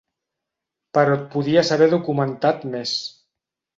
Però et podies haver documentat més.